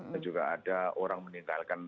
dan juga ada orang meninggalkan